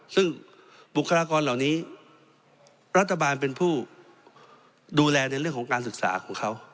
ซึ่งบุคลากรเหล่านี้รัฐบาลเป็นผู้ดูแลในเรื่องของการศึกษาของเขา